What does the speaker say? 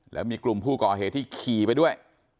แล้วมีกลุ่มผู้ก่อเหตุที่ขี่ไปด้วย